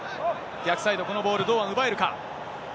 逆サイド、このボール、堂安、奪えるか。